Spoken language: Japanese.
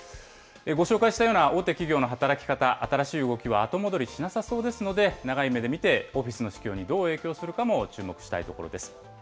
ご紹介したような大手企業の働き方、新しい動きは後戻りしなさそうですので、長い目で見て、オフィスの市況にどう影響するかも注目したいところです。